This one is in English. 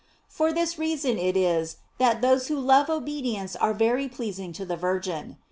J For this reason it is, that those who love obedience are very pleasing to the Virgin.